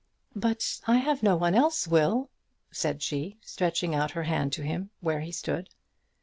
"But I have no one else, Will," said she, stretching out her hand to him where he stood.